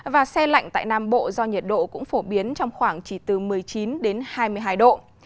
và xe lạnh tại nam bộ do nhiệt độ cũng phổ biến trong khoảng chỉ từ một mươi chín hai mươi hai độ